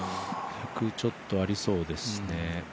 １００ちょっとありそうですね